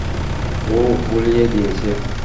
ও ভুলিয়ে দিয়েছে!